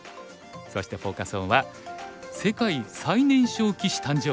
そしてフォーカス・オンは「世界最年少棋士誕生！